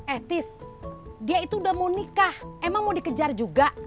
etis dia itu udah mau nikah emang mau dikejar juga